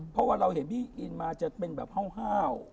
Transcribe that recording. เพราะว่าเราเห็นบี้อินมาจะเป็นแบบห้าว